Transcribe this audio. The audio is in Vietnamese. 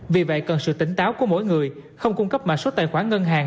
vì vậy cần sự tỉnh táo của mỗi người không cung cấp mã số tài khoản ngân hàng